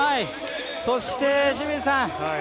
そして、清水さん。